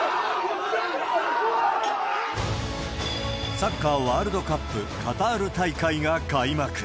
サッカーワールドカップカタール大会が開幕。